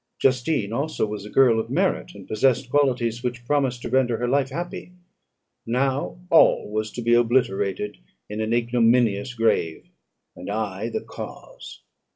Justine also was a girl of merit, and possessed qualities which promised to render her life happy: now all was to be obliterated in an ignominious grave; and I the cause!